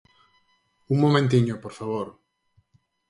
¡Un momentiño, por favor!